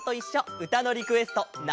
うたのリクエスト夏